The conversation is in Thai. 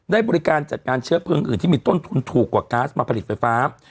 ได้บริการจัดงานเชื้อเพลิงอื่นที่มีต้นทุนถูกกว่าก๊าซมาผลิตไฟฟ้า